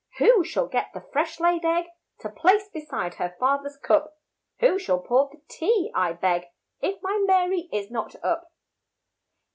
Who shall get the fresh laid egg, To place beside her father's cup? Who shall pour the tea, I beg, If my Mary is not up?